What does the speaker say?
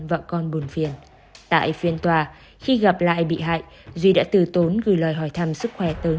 và con buồn phiền tại phiên tòa khi gặp lại bị hại duy đã từ tốn gửi lời hỏi thăm sức khỏe tới